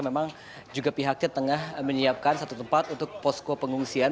memang juga pihaknya tengah menyiapkan satu tempat untuk posko pengungsian